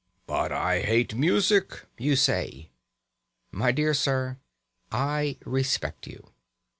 "But I hate music!" you say. My dear sir, I respect you.